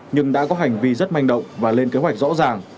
nhưng đã có hành vi rất manh động và lên kế hoạch rõ ràng